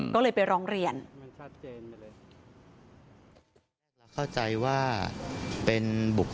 ก็เลยไปร้องเรียน